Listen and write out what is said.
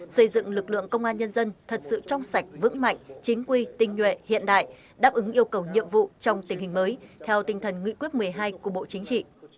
xây dựng lực lượng công an nhân dân thật sự trong sạch vững mạnh chính quy tinh nhuệ hiện đại đáp ứng yêu cầu nhiệm vụ trong tình hình mới theo tinh thần nguyễn quyết một mươi hai của bộ chính trị